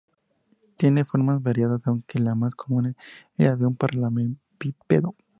Tienen formas variadas aunque la más común es la de un paralelepípedo.